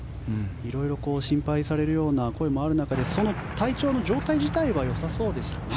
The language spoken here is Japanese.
色々、心配されるような声もある中でその体調の状態自体はよさそうでしたね。